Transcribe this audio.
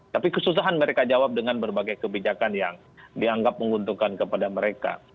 tapi kesusahan mereka jawab dengan berbagai kebijakan yang dianggap menguntungkan kepada mereka